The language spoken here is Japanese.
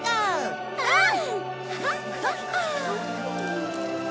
うん！